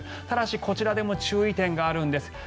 ただしこちらでも注意点があるんです。